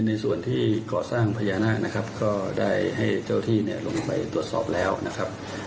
ในส่วนที่ก่อสร้างพญานาคนะครับก็ได้ให้เจ้าที่เนี่ยลงไปตรวจสอบแล้วนะครับ